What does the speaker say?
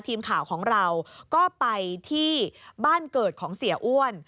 ทีมข่าวของเราก็ไปที่บ้านเกิดของเสียอ้วน